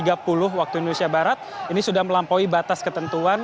dari sembilan belas tiga puluh waktu indonesia barat ini sudah melampaui batas ketentuan